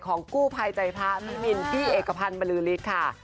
ของกู้ภัยใจพระพี่มินพี่เอกพันธ์บรือฤทธิ์ค่ะ